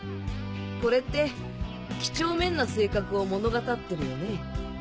これって几帳面な性格を物語ってるよね？